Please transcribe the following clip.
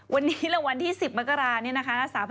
วันนี้หลังวันที่๑๐มนี้นะคะ